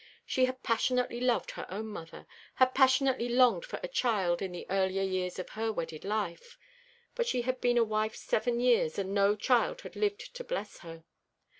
She had passionately loved her own mother; had passionately longed for a child in the earlier years of her wedded life. But she had been a wife seven years, and no child had lived to bless her.